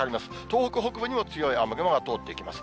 東北北部にも強い雨雲が通っていきます。